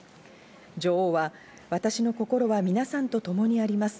女王は私の心は皆さんとともにあります。